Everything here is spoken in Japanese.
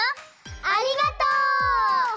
ありがとう！